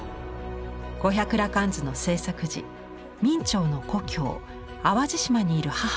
「五百羅漢図」の制作時明兆の故郷淡路島にいる母が病に倒れました。